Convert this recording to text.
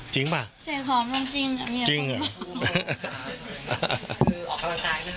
จริงปะ